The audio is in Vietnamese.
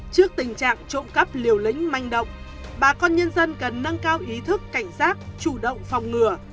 trước tình trạng trộm cắp liều lính manh động bà con nhân dân cần nâng cao ý thức cảnh giác chủ động phòng ngừa